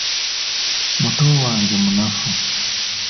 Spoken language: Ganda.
Muto Wange munafu.